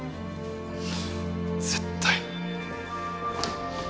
絶対。